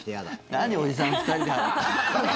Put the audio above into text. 何、おじさん２人で。